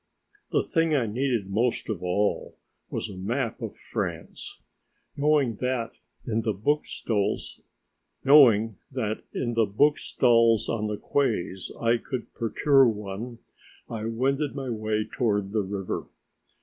The thing I needed most of all was a map of France. Knowing that in the book stalls on the quays I could procure one, I wended my way towards the river.